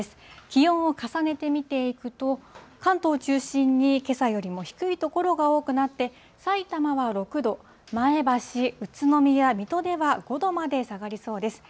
気温を重ねて見ていくと、関東を中心に、けさよりも低い所が多くなって、さいたまは６度、前橋、宇都宮、水戸では５度まで下がりそうです。